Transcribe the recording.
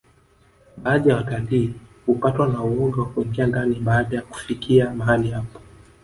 baadhi ya watalii hupatwa na uoga wa kuingia ndani baada ya kufikia mahali hapo